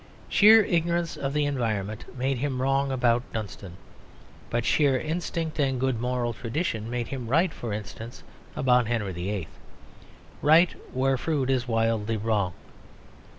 Sheer ignorance of the environment made him wrong about Dunstan. But sheer instinct and good moral tradition made him right, for instance, about Henry VIII.; right where Froude is wildly wrong.